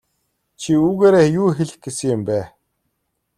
Чи үүгээрээ юу хэлэх гэсэн юм бэ?